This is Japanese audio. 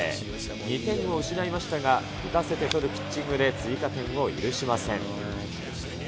２点を失いましたが、打たせて取るピッチングで追加点を許しません。